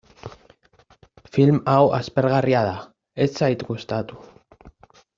Film hau aspergarria da, ez zait gustatu.